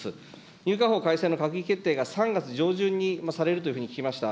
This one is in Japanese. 入管法改正案の提出が３月上旬にされるというふうに聞きました。